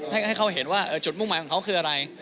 ให้เขาเห็นว่าจุดมุ่งหมายของเขาคืออะไร